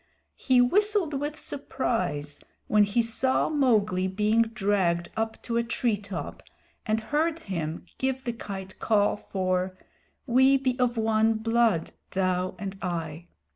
He whistled with surprise when he saw Mowgli being dragged up to a treetop and heard him give the Kite call for "We be of one blood, thou and I."